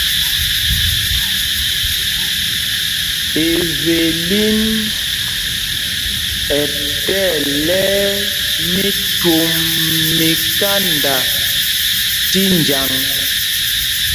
Evelin ɛ tí ɛlɛ̄y mí twôm mí kánda tí njǎŋ.